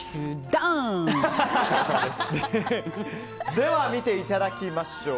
では見ていただきましょう。